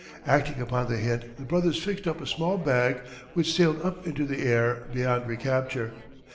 Acting upon the hint the brothers fixed up a small bag which sailed up into the air beyond recapture.